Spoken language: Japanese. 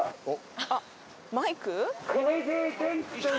あっマイク？